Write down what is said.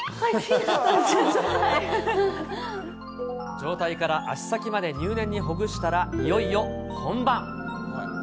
上体から足先まで入念にほぐしたら、いよいよ本番。